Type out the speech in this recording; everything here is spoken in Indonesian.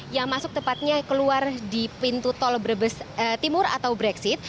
yang masuk tepatnya keluar di pintu tol brebes timur atau brexit